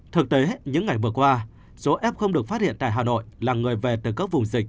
thực tế những ngày vừa qua số f được phát hiện tại hà nội là người về từ các vùng dịch